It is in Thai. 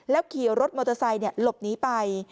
แล้วขี่รถมอเตอร์ไซค์เนี่ยหลบหนีไป